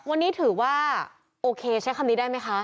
วันนี้ถือว่าโอเคใช้คำนี้ได้ไหมคะ